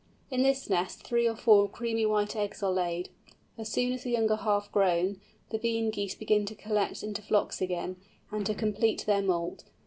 In this nest three or four creamy white eggs are laid. As soon as the young are half grown, the Bean Geese begin to collect into flocks again, and to complete their moult.